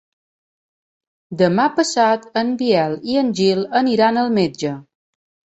Demà passat en Biel i en Gil aniran al metge.